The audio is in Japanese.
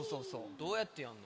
どうやってやるの？